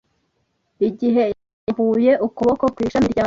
Igihe yarambuye ukuboko ku ishami ryawe